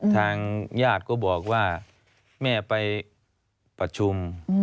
ทางญาติก็บอกว่าแม่ไปประชุม